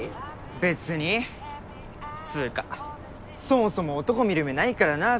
別につうかそもそも男見る目ないからなあ